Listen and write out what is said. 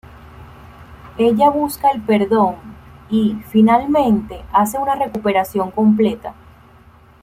Ella busca el perdón y, finalmente, hace una recuperación completa.